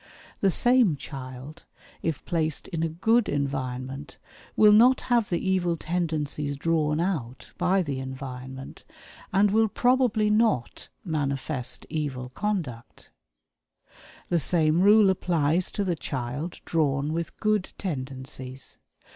The same child, if placed in a good environment, will not have the evil tendencies "drawn out" by the environment, and will probably not manifest evil conduct. The same rule applies to the child drawn with good "tendencies."